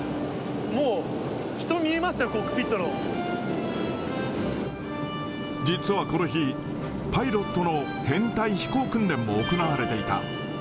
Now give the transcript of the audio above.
もう人見えますよ、コックピット実はこの日、パイロットの編隊飛行訓練も行われていた。